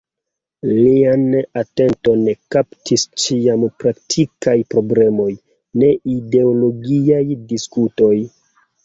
Lian atenton kaptis ĉiam praktikaj problemoj, ne ideologiaj diskutoj.